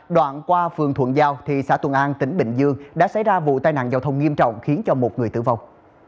đoạn qua phường thuận giao thị xã thuận an tỉnh bình dương đã xảy ra vụ tai nạn giao thông nghiêm trọng khiến cho một người tử vong